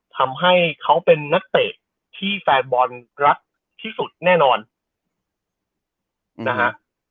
ทำให้เขาเป็นนักเตะที่แฟนบอลรักที่สุดแน่นอนนะฮะ